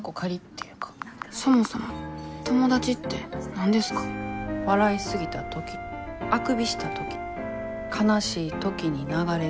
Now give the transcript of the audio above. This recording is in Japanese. そもそも友達って何ですか笑い過ぎた時あくびした時悲しい時に流れる涙。